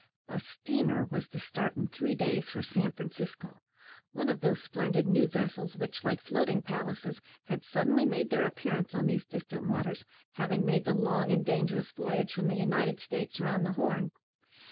A steamer was to start in three days for San Francisco one of those splendid new vessels which, like floating palaces, had suddenly made their appearance on these distant waters having made the long and dangerous voyage from the United States round the Horn.